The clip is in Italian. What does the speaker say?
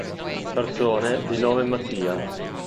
Persone di nome Mattia